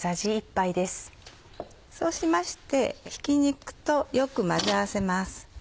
そうしましてひき肉とよく混ぜ合わせます。